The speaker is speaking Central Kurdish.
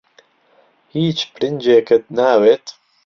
هیچ برنجێکت ناوێت؟